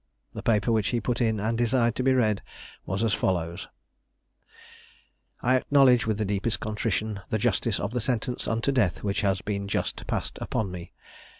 The paper which he put in and desired to be read was as follows: "I acknowledge with the deepest contrition the justice of the sentence unto death which has been just passed upon me.